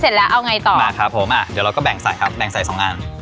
เสร็จแล้วเอาไงต่อมาครับผมอ่ะเดี๋ยวเราก็แบ่งใส่ครับแบ่งใส่สองอัน